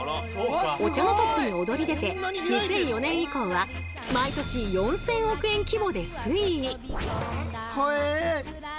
お茶のトップに躍り出て２００４年以降は毎年４，０００億円規模で推移。